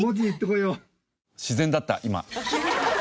自然だった今。